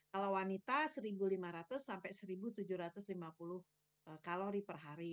kalau wanita seribu lima ratus sampai seribu tujuh ratus lima puluh kalori per hari